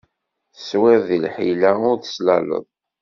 Teswiḍ di lḥila ur teslaleḍ.